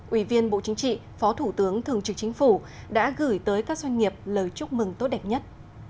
ủy viên bộ chính trị phó thủ tướng thường trực chính phủ đã gửi tới các doanh nghiệp lời chúc mừng tốt đẹp nhất